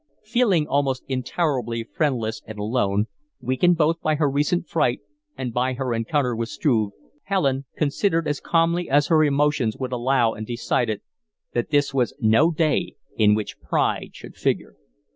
Feeling almost intolerably friendless and alone, weakened both by her recent fright and by her encounter with Struve, Helen considered as calmly as her emotions would allow and decided that this was no day in which pride should figure.